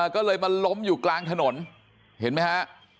ก็เลยมาล้มอยู่กลางถนนเห็นไหมฮะ